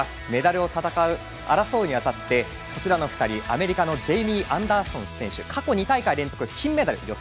メダルを争うにあたってこちらの２人、アメリカのジェイミー・アンダーソン選手過去２大会連続金メダル。